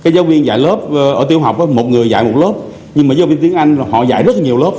giáo viên dạy lớp ở tiểu học một người dạy một lớp nhưng giáo viên tiếng anh dạy rất nhiều lớp